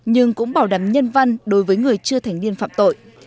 nhưng cũng bảo đảm nhân văn đối với người chưa thành niên phạm tội